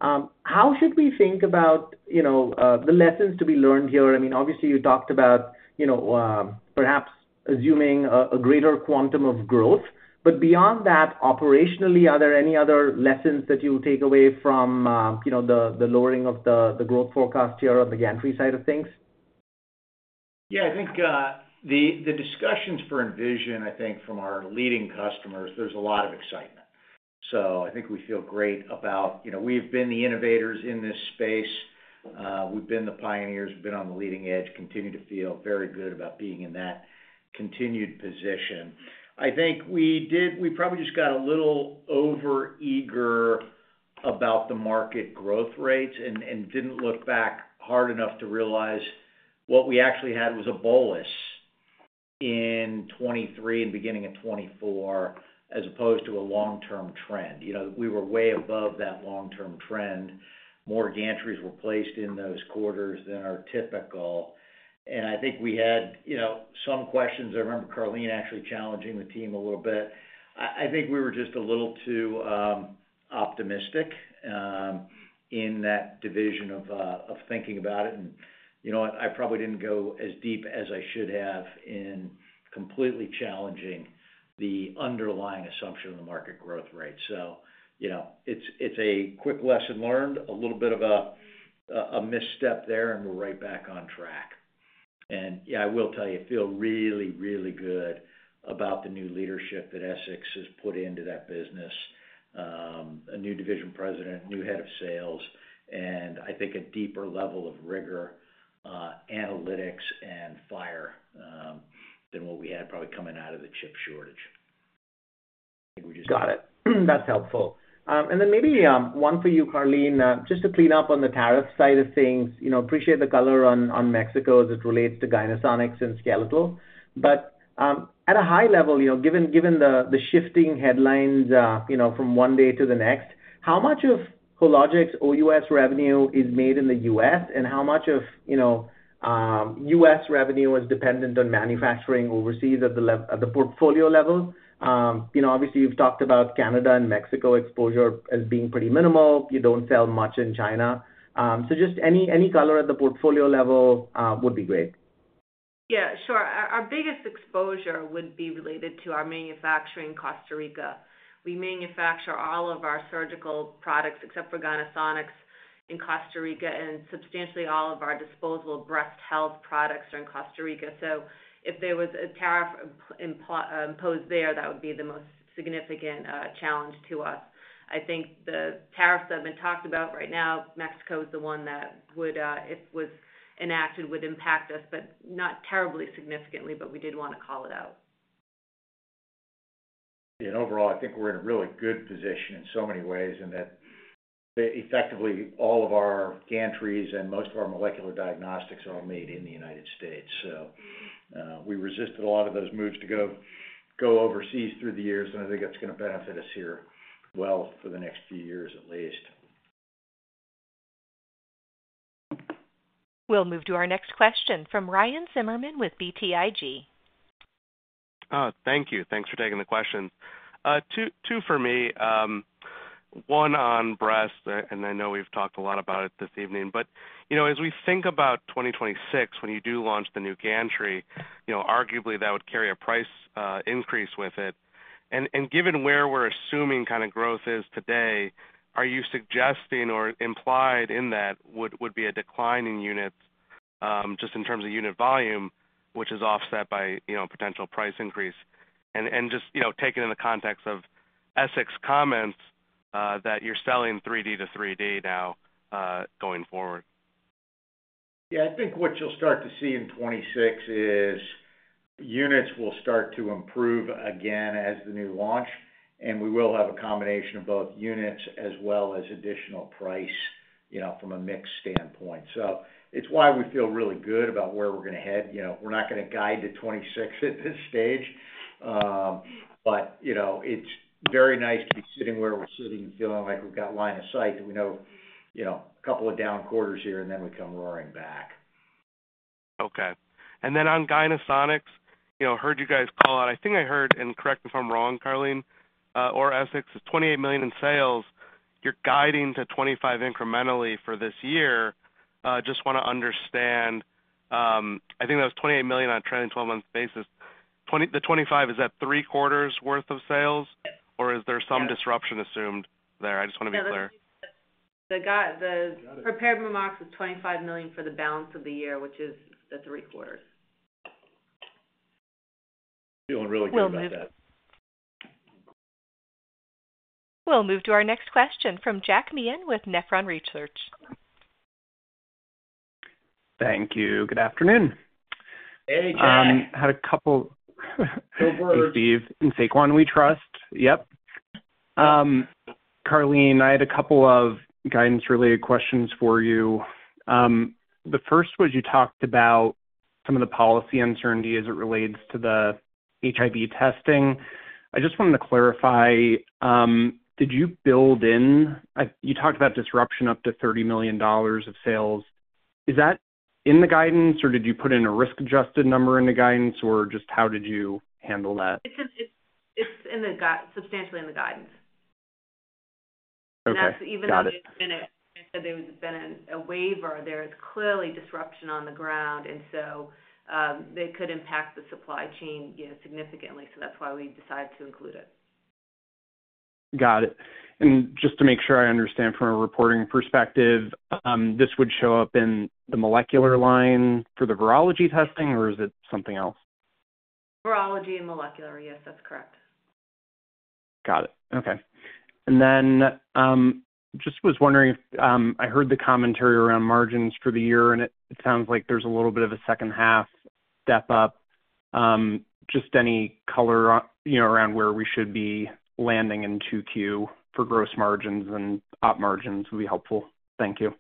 how should we think about the lessons to be learned here? I mean, obviously, you talked about perhaps assuming a greater quantum of growth. But beyond that, operationally, are there any other lessons that you will take away from the lowering of the growth forecast here on the gantry side of things? Yeah. I think the discussions for Envision, I think from our leading customers, there's a lot of excitement. So I think we feel great about we've been the innovators in this space. We've been the pioneers. We've been on the leading edge, continue to feel very good about being in that continued position. I think we probably just got a little over-eager about the market growth rates and didn't look back hard enough to realize what we actually had was a bolus in 2023 and beginning of 2024 as opposed to a long-term trend. We were way above that long-term trend. More gantries were placed in those quarters than our typical. And I think we had some questions. I remember Karleen actually challenging the team a little bit. I think we were just a little too optimistic in that division of thinking about it. And I probably didn't go as deep as I should have in completely challenging the underlying assumption of the market growth rate. So it's a quick lesson learned, a little bit of a misstep there, and we're right back on track. And yeah, I will tell you, I feel really, really good about the new leadership that Essex has put into that business, a new division president, new head of sales, and I think a deeper level of rigor, analytics, and fire than what we had probably coming out of the chip shortage. I think we just, Got it. That's helpful. And then maybe one for you, Karleen, just to clean up on the tariff side of things. Appreciate the color on Mexico as it relates to Gynesonics and skeletal. But at a high level, given the shifting headlines from one day to the next, how much of Hologic's OUS revenue is made in the U.S., and how much of U.S. revenue is dependent on manufacturing overseas at the portfolio level? Obviously, you've talked about Canada and Mexico exposure as being pretty minimal. You don't sell much in China. So just any color at the portfolio level would be great. Yeah. Sure. Our biggest exposure would be related to our manufacturing in Costa Rica. We manufacture all of our surgical products except for Gynesonics in Costa Rica, and substantially all of our disposable breast health products are in Costa Rica. So if there was a tariff imposed there, that would be the most significant challenge to us. I think the tariffs that have been talked about right now, Mexico is the one that, if it was enacted, would impact us, but not terribly significantly, but we did want to call it out. In overall, I think we're in a really good position in so many ways in that effectively all of our gantries and most of our molecular diagnostics are all made in the United States. We resisted a lot of those moves to go overseas through the years, and I think that's going to benefit us here well for the next few years at least. We'll move to our next question from Ryan Zimmerman with BTIG. Thank you. Thanks for taking the question. Two for me. One on breast, and I know we've talked a lot about it this evening. As we think about 2026, when you do launch the new gantry, arguably that would carry a price increase with it. Given where we're assuming kind of growth is today, are you suggesting or implied in that would be a decline in units just in terms of unit volume, which is offset by potential price increase? Just taking in the context of Essex's comments that you're selling 3D to 3D now going forward. Yeah. I think what you'll start to see in 2026 is units will start to improve again as the new launch, and we will have a combination of both units as well as additional price from a mix standpoint. It's why we feel really good about where we're going to head. We're not going to guide to 2026 at this stage, but it's very nice to be sitting where we're sitting and feeling like we've got line of sight. We know a couple of down quarters here, and then we come roaring back. Okay. And then on Gynesonics, I heard you guys call out. I think I heard, and correct me if I'm wrong, Karleen or Essex, it's $28 million in sales. You're guiding to $25 incrementally for this year. Just want to understand. I think that was $28 million on a trailing 12-month basis. The $25, is that three quarters worth of sales, or is there some disruption assumed there? I just want to be clear. The guidance is $25 million for the balance of the year, which is the three quarters. We'll really get back to that. We'll move to our next question from Jack Meehan with Nephron Research. Thank you. Good afternoon. Hey, Jack. I had a couple. Hey, Steve. And Essex, we trust. Yep. Karleen, I had a couple of guidance-related questions for you. The first was you talked about some of the policy uncertainty as it relates to the HIV testing. I just wanted to clarify. Did you build in you talked about disruption up to $30 million of sales? Is that in the guidance, or did you put in a risk-adjusted number in the guidance, or just how did you handle that? It's substantially in the guidance. Even though there's been a—like I said, there's been a waiver, there's clearly disruption on the ground, and so it could impact the supply chain significantly. So that's why we decided to include it. Got it. And just to make sure I understand from a reporting perspective, this would show up in the molecular line for the virology testing, or is it something else? Virology and molecular, yes. That's correct. Got it. Okay. And then just was wondering. I heard the commentary around margins for the year, and it sounds like there's a little bit of a second-half step up. Just any color around where we should be landing in Q2 for gross margins and op margins would be helpful. Thank you.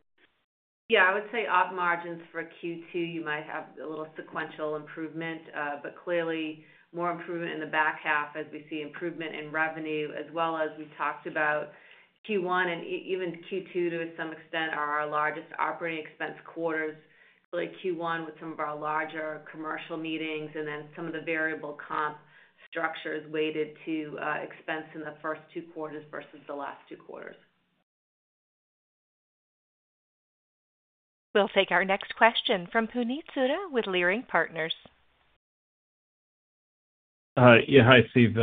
Yeah. I would say op margins for Q2. You might have a little sequential improvement, but clearly more improvement in the back half as we see improvement in revenue, as well as we talked about Q1 and even Q2 to some extent are our largest operating expense quarters. Q1 with some of our larger commercial meetings and then some of the variable comp structures weighted to expense in the first two quarters versus the last two quarters. We'll take our next question from Puneet Souda with Leerink Partners. Yeah. Hi, Steve.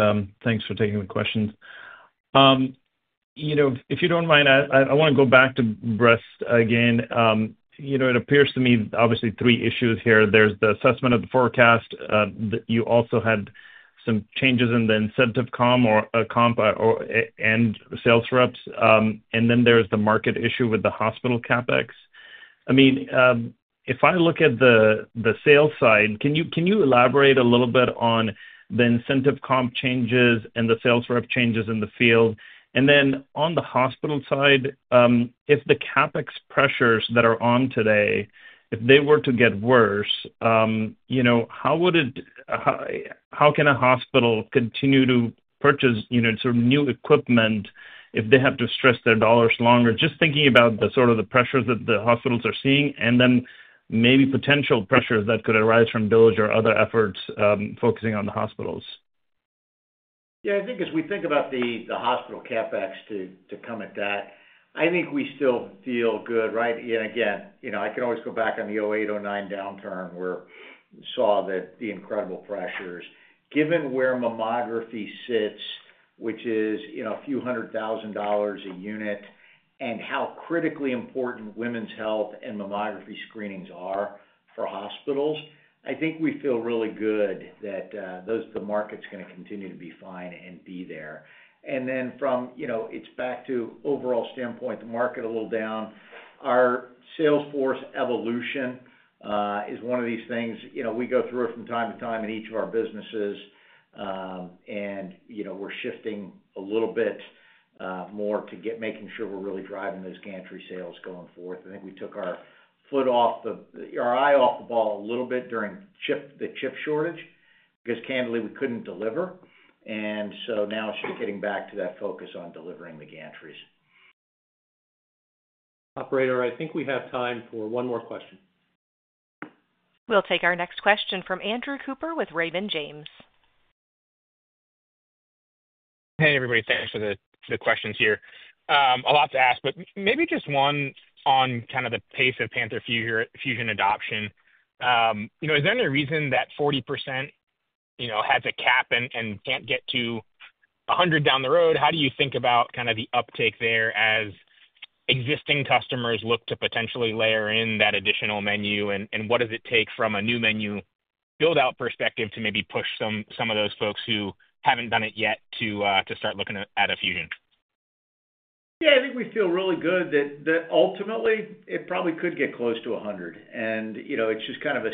Thanks for taking the questions. If you don't mind, I want to go back to breast again. It appears to me, obviously, three issues here. There's the assessment of the forecast that you also had some changes in the incentive comp and sales reps. And then there's the market issue with the hospital CapEx. I mean, if I look at the sales side, can you elaborate a little bit on the incentive comp changes and the sales rep changes in the field? And then on the hospital side, if the CapEx pressures that are on today, if they were to get worse, how can a hospital continue to purchase sort of new equipment if they have to stress their dollars longer? Just thinking about the sort of pressures that the hospitals are seeing and then maybe potential pressures that could arise from DOGE or other efforts focusing on the hospitals. Yeah. I think as we think about the hospital CapEx to come at that, I think we still feel good, right? And again, I can always go back on the 2008, 2009 downturn where we saw the incredible pressures. Given where mammography sits, which is a few hundred thousand dollars a unit and how critically important women's health and mammography screenings are for hospitals, I think we feel really good that the market's going to continue to be fine and be there. And then from a step back to overall standpoint, the market's a little down. Our sales force evolution is one of these things. We go through it from time to time in each of our businesses, and we're shifting a little bit more to making sure we're really driving those gantry sales going forward. I think we took our eye off the ball a little bit during the chip shortage because candidly, we couldn't deliver, and so now it's just getting back to that focus on delivering the gantries. Operator, I think we have time for one more question. We'll take our next question from Andrew Cooper with Raymond James. Hey, everybody. Thanks for the questions here. A lot to ask, but maybe just one on kind of the pace of Panther Fusion adoption. Is there any reason that 40% has a cap and can't get to 100 down the road? How do you think about kind of the uptake there as existing customers look to potentially layer in that additional menu? What does it take from a new menu build-out perspective to maybe push some of those folks who haven't done it yet to start looking at a Fusion? Yeah. I think we feel really good that ultimately, it probably could get close to 100. And it's just kind of a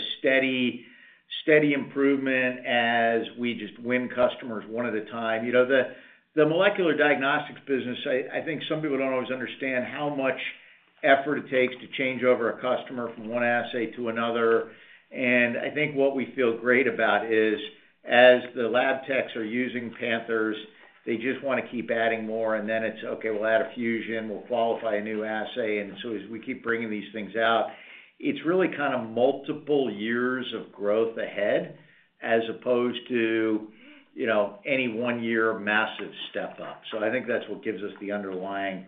steady improvement as we just win customers one at a time. The molecular diagnostics business, I think some people don't always understand how much effort it takes to change over a customer from one assay to another. And I think what we feel great about is as the lab techs are using Panthers, they just want to keep adding more. And then it's, "Okay, we'll add a Fusion. We'll qualify a new assay." And so as we keep bringing these things out, it's really kind of multiple years of growth ahead as opposed to any one-year massive step up. So I think that's what gives us the underlying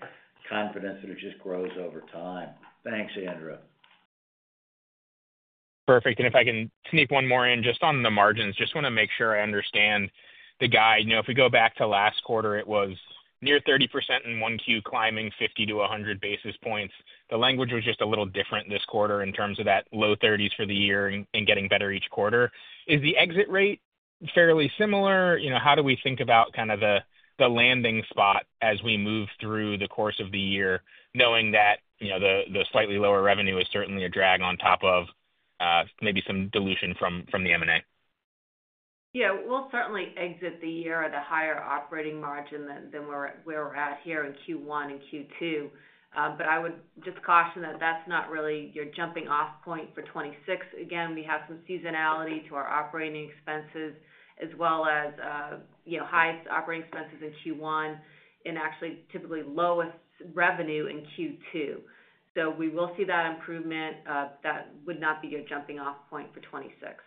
confidence that it just grows over time. Thanks, Andrew. Perfect. And if I can sneak one more in just on the margins, just want to make sure I understand the guide. If we go back to last quarter, it was near 30% in Q1, climbing 50-100 basis points. The language was just a little different this quarter in terms of that low 30s for the year and getting better each quarter. Is the exit rate fairly similar? How do we think about kind of the landing spot as we move through the course of the year, knowing that the slightly lower revenue is certainly a drag on top of maybe some dilution from the M&A? Yeah. We'll certainly exit the year at a higher operating margin than where we're at here in Q1 and Q2. But I would just caution that that's not really your jumping-off point for 2026. Again, we have some seasonality to our operating expenses as well as high operating expenses in Q1 and actually typically lowest revenue in Q2. So we will see that improvement. That would not be your jumping-off point for 2026.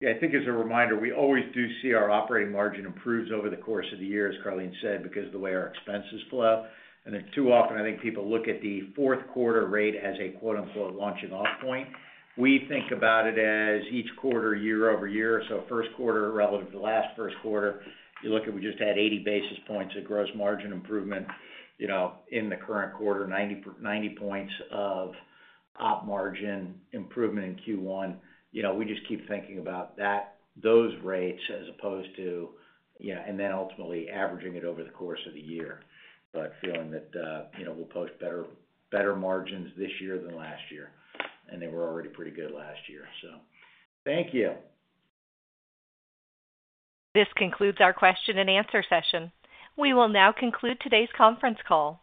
Yeah. I think as a reminder, we always do see our operating margin improves over the course of the year, as Karleen said, because of the way our expenses flow. And too often, I think people look at the fourth quarter rate as a quote-unquote "launching-off point." We think about it as each quarter, year over year. So first quarter relative to last first quarter, you look at we just had 80 basis points of gross margin improvement in the current quarter, 90 points of op margin improvement in Q1. We just keep thinking about those rates as opposed to and then ultimately averaging it over the course of the year but feeling that we'll post better margins this year than last year and they were already pretty good last year, so thank you. This concludes our question and answer session. We will now conclude today's conference call.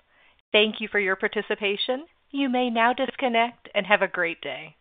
Thank you for your participation. You may now disconnect and have a great day.